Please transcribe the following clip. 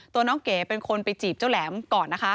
ตัวน้องเก๋เป็นคนไปจีบเจ้าแหลมก่อนนะคะ